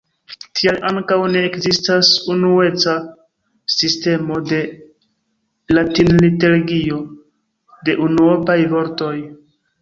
Tial ankaŭ ne ekzistas unueca sistemo de latinliterigo de unuopaj vortoj.